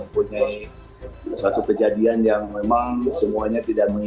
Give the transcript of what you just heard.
sudah berhasil tapi ya kita mempunyai satu kejadian yang memang semuanya tidak berhasil